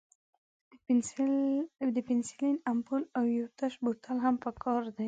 د پنسلین امپول او یو تش بوتل هم پکار دی.